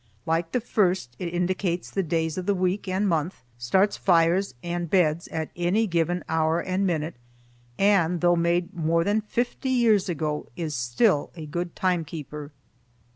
Like the first it indicates the days of the week and month, starts fires and beds at any given hour and minute, and, though made more than fifty years ago, is still a good timekeeper.